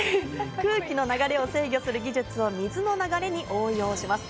空気の流れを制御する技術を水の流れに応用します。